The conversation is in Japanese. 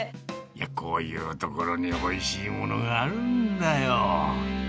こういう所においしいものがあるんだよ。